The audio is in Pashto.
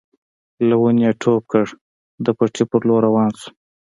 له ونې يې ټوپ کړ د پټي په لور روان شو.